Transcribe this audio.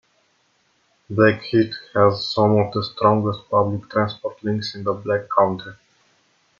Blackheath has some of the strongest public transport links in the Black Country.